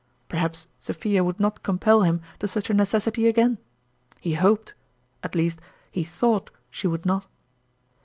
Perhaps Sophia would not compel him to such a necessity again; he hoped at least he thought she would not.